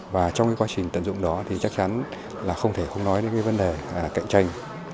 và trong cái quá trình tận dụng đó thì chắc chắn là không thể không nói đến cái vấn đề cạnh tranh